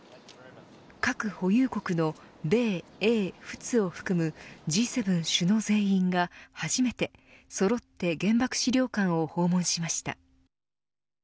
核保有国の米英仏を含むＧ７首脳全員が初めてそろって原爆資料館を訪問しました。